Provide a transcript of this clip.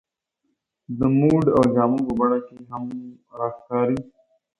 د موډ او جامو په بڼه کې هم راښکاري.